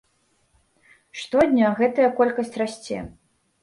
Штодня гэтая колькасць расце.